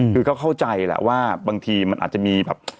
คือก็เข้าใจแหละว่าบางทีมันอาจจะมีแบบ